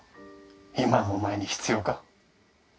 今のお前に必要か？